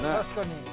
確かに。